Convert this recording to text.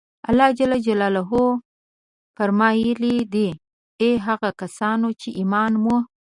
الله جل جلاله فرمایلي دي: اې هغه کسانو چې ایمان مو